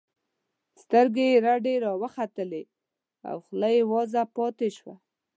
سترګې یې رډې راوختلې او خوله یې وازه پاتې شوه